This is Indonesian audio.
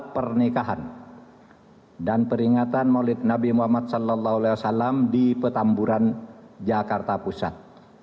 pernikahan dan peringatan maulid nabi muhammad saw di petamburan jakarta pusat